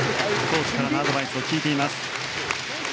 コーチからのアドバイスを聞いています。